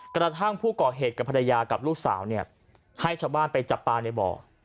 กระทั่งผู้ก่อเหตุกับภรรยากับลูกสาวเนี่ยให้ชาวบ้านไปจับปลาในบ่อ